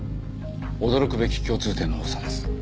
驚くべき共通点の多さです。